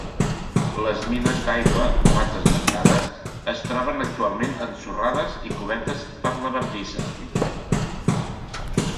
Les mines d'aigua, abans esmentades, es troben actualment ensorrades i cobertes per la bardissa.